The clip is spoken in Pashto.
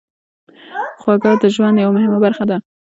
خوږه د ژوند یوه مهمه برخه ده.